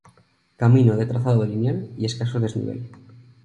Camino de trazado lineal y escaso desnivel.